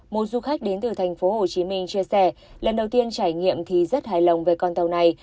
một du khách đến từ thành phố hồ chí minh chia sẻ lần đầu tiên trải nghiệm thì rất hài lòng với con tàu này